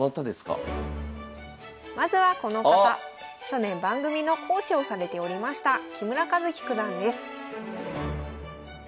去年番組の講師をされておりました木村一基九段です。